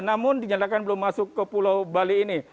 namun dinyatakan belum masuk ke pulau bali ini